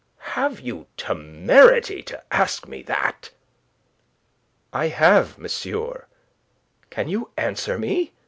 Have you temerity to ask me that?" "I have, monsieur. Can you answer me?